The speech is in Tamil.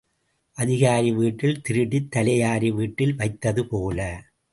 அதிகாரி வீட்டில் திருடித் தலையாரி வீட்டில் வைத்தது போல.